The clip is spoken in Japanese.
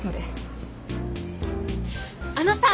あのさあ。